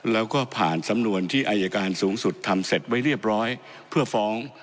แล้วก็ผ่านสำนวนที่อายการสูงสุดทำเสร็จไว้เรียบร้อยเพื่อฟ้อง